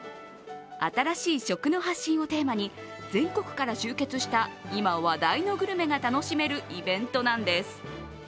新しい食の発信をテーマに、全国から集結した今話題のグルメが楽しめるイベントなんです。